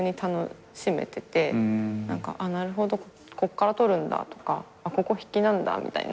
なるほどこっから撮るんだとかここ引きなんだみたいな。